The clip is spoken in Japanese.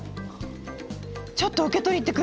ちょっと受け取りに行ってくる。